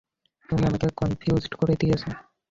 তুমিই আমাকে কনফিউজড করে দিয়েছো।